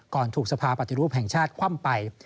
ถูกสภาปฏิรูปแห่งชาติคว่ำไป